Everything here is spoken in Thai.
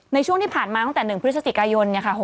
ในช่วงที่ผ่านมาตั้งแต่๑พฤศจิกายน